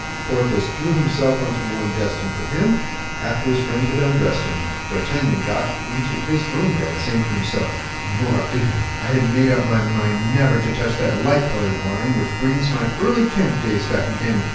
Porthos threw himself into the one destined for him, after his friend had undressed him. D'Artagnan got into his own bed, saying to himself, "Mordioux! I had made up my mind never to touch that light colored wine, which brings my early camp days back again.